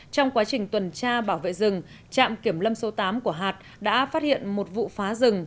trong quá trình tuần tra bảo vệ rừng trạm kiểm lâm số tám của hạt đã phát hiện một vụ phá rừng